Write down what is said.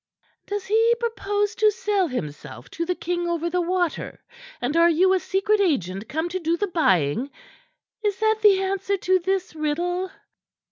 "Does he propose to sell himself to the king over the water, and are you a secret agent come to do the buying? Is that the answer to this riddle?"